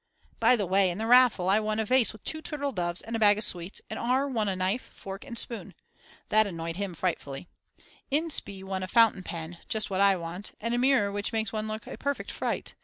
By the way, in the raffle I won a vase with 2 turtledoves and a bag of sweets and R. won a knife, fork and spoon. That annoyed him frightfully. Inspee won a fountain pen, just what I want, and a mirror which makes one look a perfect fright.